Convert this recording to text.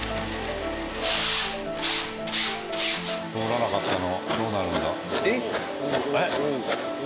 通らなかったのどうなるんだ？えっ！？えっ！